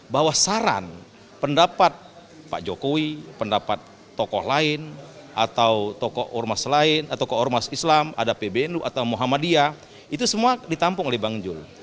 bahwa saran pendapat pak jokowi pendapat tokoh lain atau tokoh ormas lain atau tokoh ormas islam ada pbnu atau muhammadiyah itu semua ditampung oleh bang jul